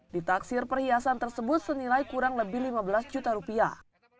ditaksir perhiasan tersebut senilai kurang lebih lima belas juta rupiah